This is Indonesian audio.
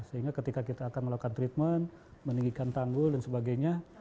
sehingga ketika kita akan melakukan treatment meninggikan tanggul dan sebagainya